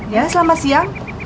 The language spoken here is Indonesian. ya selamat siang